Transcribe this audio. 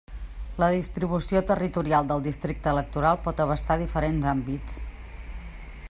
La distribució territorial del districte electoral pot abastar diferents àmbits.